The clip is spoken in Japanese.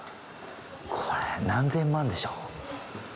これ何千万でしょ？